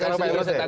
kalau pak jokowi